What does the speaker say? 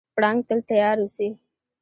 پړانګ تل تیار اوسي.